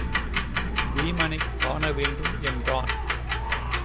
வீமனைக் காணவேண்டும் என்றான்.